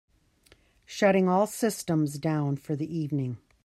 Shutting all systems down for the evening.